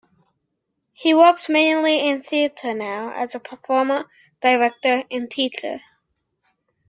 He works mainly in theatre now as a performer, director and teacher.